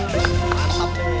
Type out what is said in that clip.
empat pen san ig